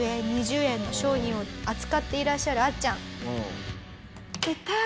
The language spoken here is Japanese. １０円２０円の商品を扱っていらっしゃるあっちゃん。